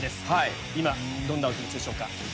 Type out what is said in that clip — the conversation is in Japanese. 今どんなお気持ちでしょうか？